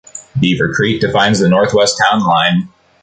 Beaver Creek defines the northwest town line.